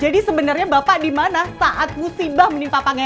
jadi sebenarnya bapak dimana saat musibah menimpa pangeran